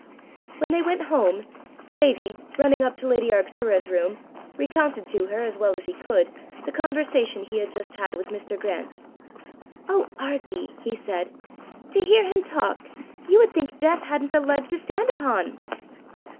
When they went home, Davie, running up to lady Arctura's room, recounted to her as well as he could the conversation he had just had with Mr. Grant. "Oh, Arkie!" he said, "to hear him talk, you would think Death hadn't a leg to stand upon!"